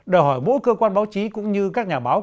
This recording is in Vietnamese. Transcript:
đòi hỏi mỗi cơ quan báo chí cũng như các nhà báo